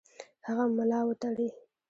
هغه ملا وتړي.